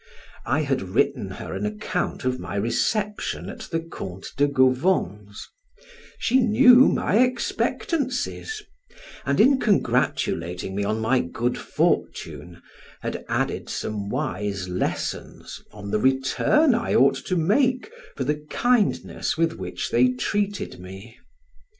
I had written her an account of my reception at the Count de Gauvon's; she knew my expectancies, and, in congratulating me on my good fortune, had added some wise lessons on the return I ought to make for the kindness with which they treated me.